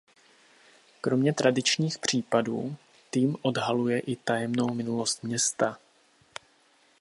Kromě tradičních případů tým odhaluje i tajemnou minulost města.